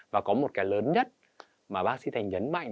và có một cái lớn nhất mà bác sĩ thành nhấn mạnh